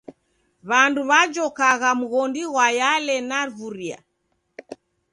W'andu w'ajokagha mghondi ghwa Yale na Vuria.